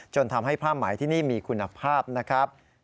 จนทำให้ผ้าไหมที่นี่มีคุณภาพนะครับ